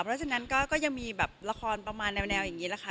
แล้วก็นั้นก็ยังมีแบบละครประมาณแนวละค่ะ